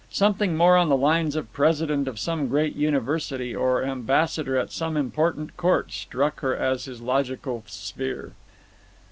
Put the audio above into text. Something more on the lines of president of some great university or ambassador at some important court struck her as his logical sphere.